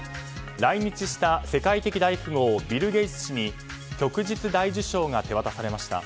来日した世界的大富豪ビル・ゲイツ氏に旭日大綬章が手渡されました。